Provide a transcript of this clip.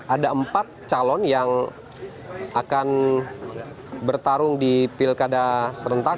ada empat calon yang akan bertarung di pilkada serentak dua ribu delapan belas